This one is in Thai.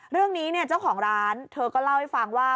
เรื่องนี้เนี่ยเจ้าของร้านเธอก็เล่าให้ฟังว่า